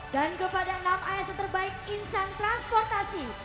dan kepada enam asn terbaik insan transportasi